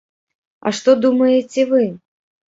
А што думаеце вы?